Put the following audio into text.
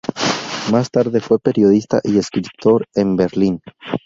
Más tarde fue periodista y escritor en Berlín.